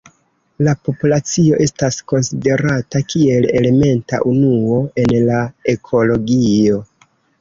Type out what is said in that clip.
La populacio estas konsiderata kiel elementa unuo en la ekologio.